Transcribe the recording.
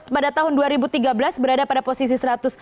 pada tahun dua ribu tiga belas berada pada posisi satu ratus enam puluh